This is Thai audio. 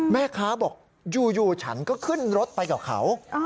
แม่ค้าบอกอยู่ฉันก็ขึ้นรถไปกับเขา